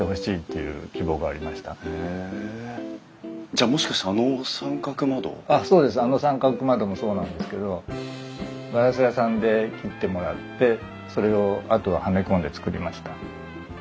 あの三角窓もそうなんですけどガラス屋さんで切ってもらってそれをあとははめ込んで作りました。